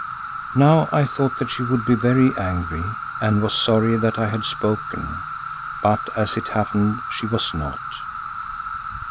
Now I thought that she would be very angry and was sorry that I had spoken. But as it happened she was not.